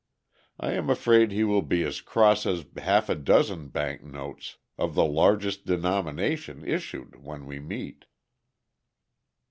I am afraid he will be as cross as half a dozen bank notes of the largest denomination issued when we meet."